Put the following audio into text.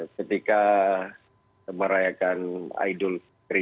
ketika merayakan idol tiga